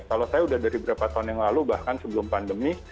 kalau saya udah dari berapa tahun yang lalu bahkan sebelum pandemi